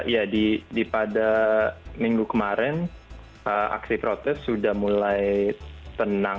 ya pada minggu kemarin aksi protes sudah mulai tenang